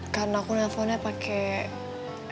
karena aku nelponnya pakai